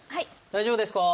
大丈夫ですか？